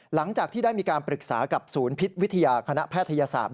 หลังจากที่ได้มีการปรึกษากับศูนย์พิษวิทยาคณะแพทยศาสตร์